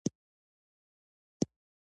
موږ د سیند پر ژۍ باندې نور هم وړاندې ولاړو.